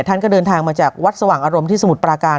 ท่านก็เดินทางมาจากวัดสว่างอารมณ์ที่สมุทรปราการ